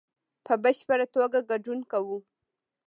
په بشپړ توګه ګډون کوو